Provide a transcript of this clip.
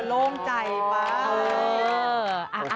โล่งใจมาก